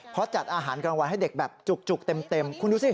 เพราะจัดอาหารกลางวันให้เด็กแบบจุกเต็มคุณดูสิ